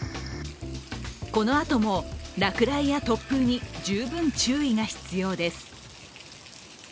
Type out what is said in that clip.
このあとも落雷や突風に十分注意が必要です。